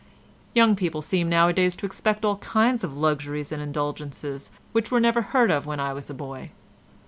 Young people seem nowadays to expect all kinds of luxuries and indulgences which were never heard of when I was a boy.